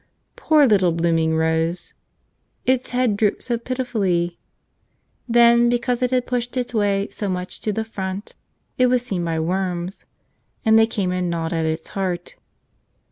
Poor little blooming rose! Its head drooped so pitifully! Then, because it had pushed its way so much to the front, it was seen by worms; and they came and gnawed at its heart.